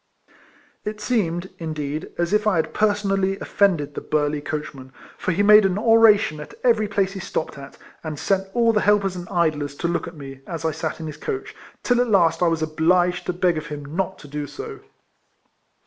It seemed, indeed, as if I had personally offended the burly coachman, for he made an oration at every place he stopped at, and 270 RECOLLECTIONS OF sent all the helpers and idlers to look at me, as I sat in his coach, till at last I was obliged to beg of him not to do so.